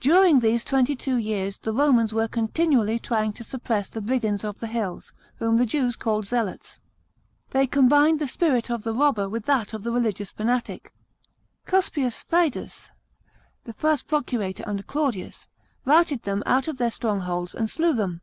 During these twenty two years the Romans were continually trying to suppress the brigands of the hills, whom the Jews called Zealots. They combined the spirit of the robber with that of the religious fanatic. Cuspius Fadus, the first procurator under Claudius, routed them out of their strongholds and slew them.